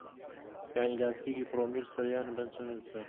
یانی لاستیکی ترومبیل سەریان بە بەند چندرابوو